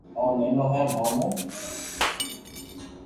او نينو ھي مون مون